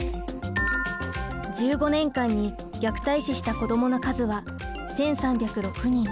１５年間に虐待死した子どもの数は１３０６人。